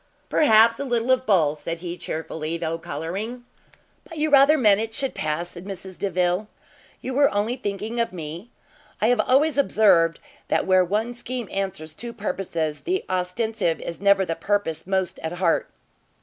"Perhaps a little of both!" said he, chearfully, though colouring. "But you rather meant it should pass," said Mrs Delvile, "you were thinking only of me? I have always observed, that where one scheme answers two purposes, the ostensive is never the purpose most at heart."